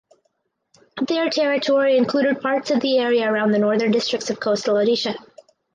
Their territory included parts of the area around the northern districts of coastal Odisha.